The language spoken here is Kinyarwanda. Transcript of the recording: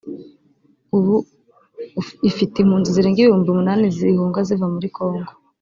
ubu ifite impunzi zirenga ibihumbi umunani zihunga ziva muri Congo